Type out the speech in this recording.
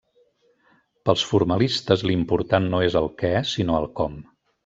Pels formalistes, l'important no és el què, sinó el com.